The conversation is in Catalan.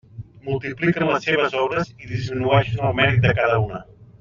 Multipliquen les seves obres i disminueixen el mèrit de cada una.